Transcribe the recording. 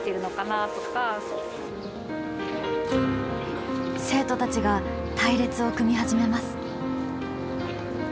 生徒たちが隊列を組み始めます。